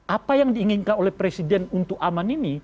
apa yang diinginkan oleh presiden untuk aman ini